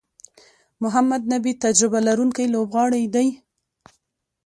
محمد نبي تجربه لرونکی لوبغاړی دئ.